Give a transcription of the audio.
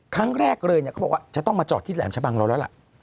ครั้งแรกเลยเนี่ยเขาบอกว่าจะต้องมาจอดที่แหลมชะบังเราแล้วล่ะ